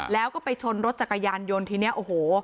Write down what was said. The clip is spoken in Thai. แล้วก็ไปชนรถจักรยานยนต์ทีนี้โอ้โห